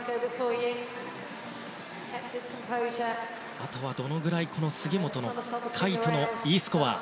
あとは、どのぐらい杉本海誉斗のＥスコア